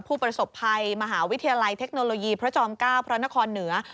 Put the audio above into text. ผู้ประสบภัยมหาวิทยาลัยเทคโนโลยีพระจอม๙พระนครเหนือ